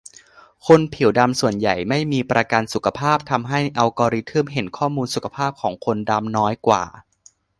คนผิวดำส่วนใหญ่ไม่มีประกันสุขภาพ ทำให้อัลกอริทึมเห็นข้อมูลสุขภาพของคนดำน้อยกว่า